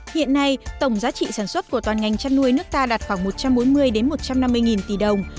hiện nay tổng giá trị sản xuất của toàn ngành chăn nuôi nước ta đạt khoảng một trăm bốn mươi một trăm năm mươi tỷ đồng